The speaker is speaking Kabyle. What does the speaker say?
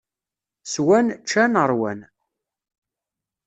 Swan, ččan, ṛwan.